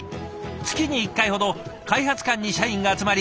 月に１回ほど開発館に社員が集まり